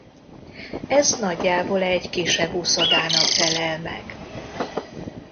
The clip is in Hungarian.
Ez nagyjából egy kisebb uszodának felel meg.